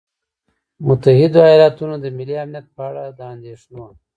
متحدو ایالتونو د ملي امنیت په اړه د اندېښنو